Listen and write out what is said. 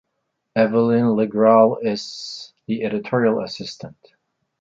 Evelyne Le Grall is the editorial assistant.